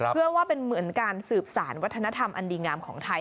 เพื่อว่าเป็นเหมือนการสืบสารวัฒนธรรมอันดีงามของไทย